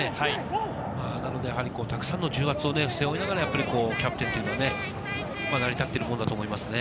なので、たくさんの重圧を背負いながらキャプテンというのは成り立っているものだと思いますね。